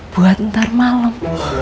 buat ntar malem